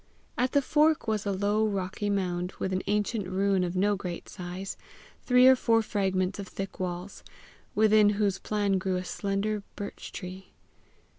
At the fork was a low rocky mound, with an ancient ruin of no great size three or four fragments of thick walls, within whose plan grew a slender birch tree.